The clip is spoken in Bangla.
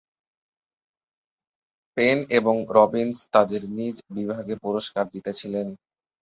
পেন এবং রবিন্স তাঁদের নিজ বিভাগে পুরস্কার জিতেছিলেন।